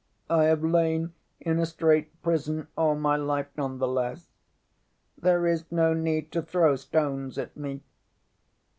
I have lain in a strait prison all my life none the less. There is no need to throw stones at me.